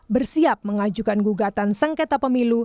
bersiap mengajukan gugatan sengketa pemilu